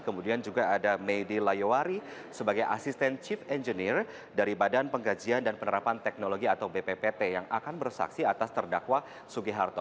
kemudian juga ada maydi layowari sebagai asisten chief engineer dari badan pengkajian dan penerapan teknologi atau bppt yang akan bersaksi atas terdakwa sugiharto